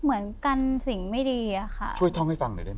เหมือนกันสิ่งไม่ดีอะค่ะช่วยท่องให้ฟังหน่อยได้ไหม